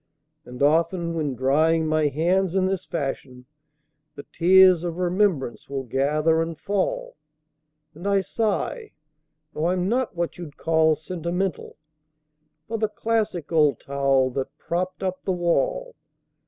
And often, when drying my hands in this fashion, The tears of remembrance will gather and fall, And I sigh (though I'm not what you'd call sentimental) For the classic old towel that propped up the wall.